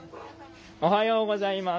おはようございます。